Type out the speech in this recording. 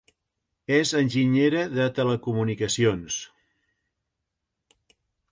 És enginyera de Telecomunicacions.